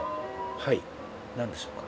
はい何でしょうか？